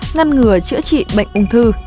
ngăn ngừa chữa trị bệnh ung thư